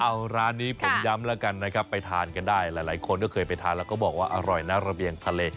เอาร้านนี้ผมย้ำแล้วกันนะครับไปทานกันได้หลายคนก็เคยไปทานแล้วก็บอกว่าอร่อยนะระเบียงทะเล